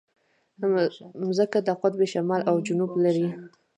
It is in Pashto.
مځکه د قطب شمال او جنوب لري.